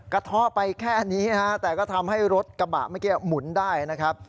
ท่อไปแค่นี้นะฮะแต่ก็ทำให้รถกระบะเมื่อกี้หมุนได้นะครับ